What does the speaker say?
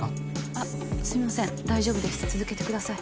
あっすみません大丈夫です続けてください。